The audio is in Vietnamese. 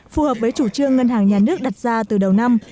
phù hợp với chủ trương ngân hàng nhà nước đặt ra từ đầu năm